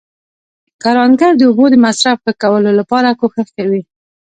کروندګر د اوبو د مصرف ښه کولو لپاره کوښښ کوي